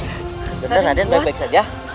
jangan raden baik baik saja